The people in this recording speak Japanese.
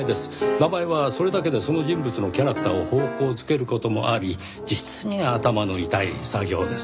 名前はそれだけでその人物のキャラクターを方向付ける事もあり実に頭の痛い作業です。